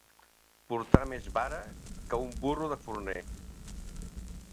Portar més vara que un burro de forner.